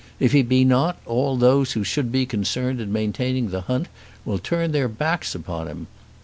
If he be not, all those who should be concerned in maintaining the hunt will turn their backs upon him.